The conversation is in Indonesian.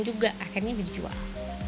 juga akhirnya dijual